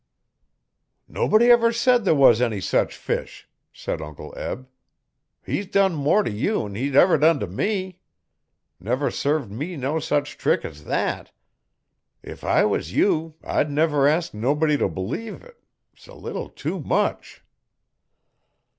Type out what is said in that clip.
'Nobody ever said there was any sech fish,' said Uncle Eb. 'He's done more t' you 'n he ever done t' me. Never served me no sech trick as thet. If I was you I'd never ask nobody t' b'lieve it 'S a leetle tew much.'